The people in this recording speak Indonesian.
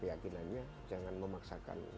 yakinannya jangan memaksakan